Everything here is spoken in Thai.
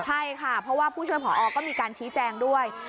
ใช่ค่ะเพราะว่าผู้ช่วยผอก็มีการชี้แจงด้วย